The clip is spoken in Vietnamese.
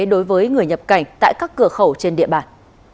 đối với người nhập cảnh tại các cửa khẩu trên địa bàn